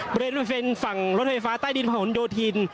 บริเวณฝั่งรถไฟฟ้าใต้ดินผ่านหลวงโดทิน